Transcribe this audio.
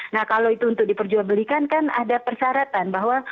nah kalau itu untuk diperjualbelikan kan ada persyaratan bahwa